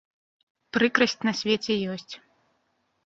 Прыкрасць на свеце ёсць.